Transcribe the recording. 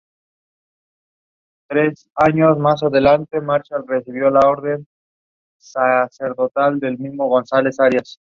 El movimiento, con el paso del tiempo, murió en Italia de desilusión.